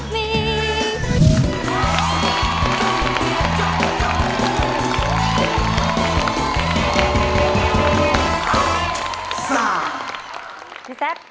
พี่จ๊าบ